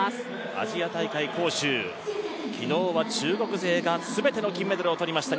アジア大会杭州、昨日は中国勢が全てのメダルを取りました。